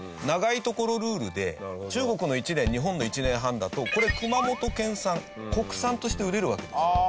「長いところルール」で中国の１年日本の１年半だとこれ熊本県産国産として売れるわけですよ。